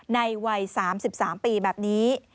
ในวัย๓๓ปีแบบนี้